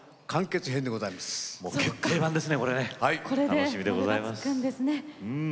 楽しみでございますね。